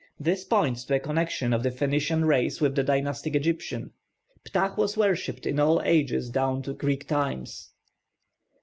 This points to a connection of the Phoenician race with the dynastic Egyptians. Ptah was worshipped in all ages down to Greek times.